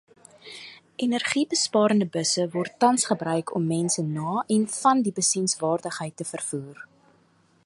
Energiebesparende busse word tans gebruik om mense na en van die besienswaardigheid te vervoer.